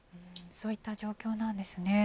そういった状況なんですね。